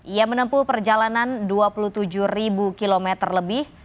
ia menempuh perjalanan dua puluh tujuh km lebih